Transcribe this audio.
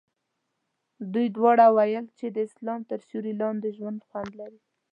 دوی دواړو ویل چې د اسلام تر سیوري لاندې ژوند خوند لري.